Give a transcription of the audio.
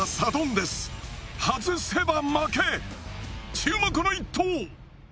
注目の一投！